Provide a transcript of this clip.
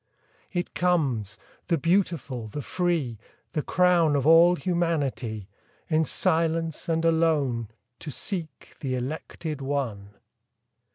It comes, the beautiful, the free, The crown of all humanity, In silence and alone To seek the elected one.